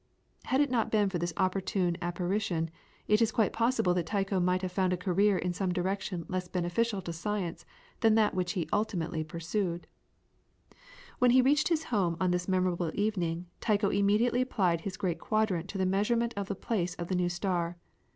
Had it not been for this opportune apparition, it is quite possible that Tycho might have found a career in some direction less beneficial to science than that which he ultimately pursued. [PLATE: THE OBSERVATORY OF URANIBORG, ISLAND OF HVEN.] When he reached his home on this memorable evening, Tycho immediately applied his great quadrant to the measurement of the place of the new star.